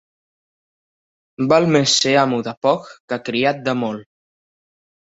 Val més ser amo de poc que criat de molt.